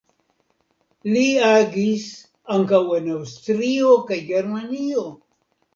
Li agis ankaŭ en Aŭstrio kaj Germanio.